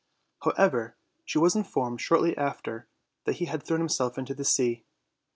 However, she was informed shortly after that he had thrown himself into the sea.